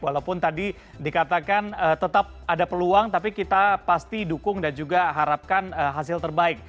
walaupun tadi dikatakan tetap ada peluang tapi kita pasti dukung dan juga harapkan hasil terbaik